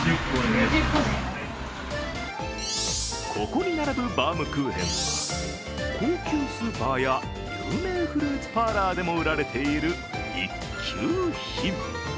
ここに並ぶバウムクーヘンは高級スーパーや有名フルーツパーラーでも売られている一級品。